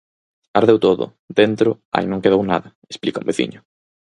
Ardeu todo, dentro, aí non quedou nada, explica un veciño.